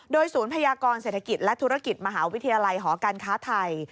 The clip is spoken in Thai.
โดยศูนย์พยากรเศรษฐกิจและธุรกิจมหาวิทยาลัยหอการค้าไทย